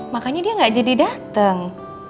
makanya dia gak jadi datang